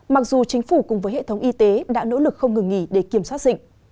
mặc dù chính phủ cùng với hệ thống y tế đã nỗ lực không ngừng nghỉ để kiểm soát dịch